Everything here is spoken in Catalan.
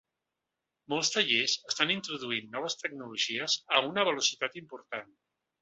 Molts tallers estan introduint noves tecnologies a una velocitat important.